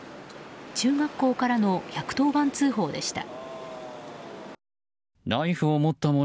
中学校からの１１０番通報でした。